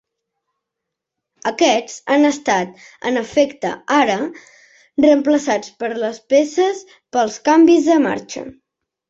Aquests han estat en efecte, ara, reemplaçats per les peces pels canvis de marxa.